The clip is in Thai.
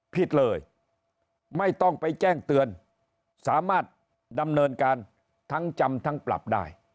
ผิดเลยไม่ต้องไปแจ้งเตือนสามารถดำเนินการทั้งจำทั้งปรับได้